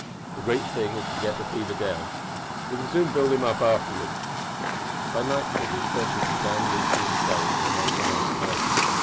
The great thing is to get down the fever. We can soon build him up afterward." By nightfall the exertions of Dan, Lucy, and Chloe had made the house tidy.